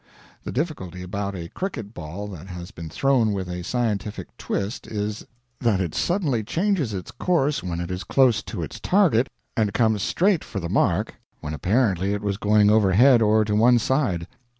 The difficulty about a cricket ball that has been thrown with a scientific "twist" is, that it suddenly changes its course when it is close to its target and comes straight for the mark when apparently it was going overhead or to one side.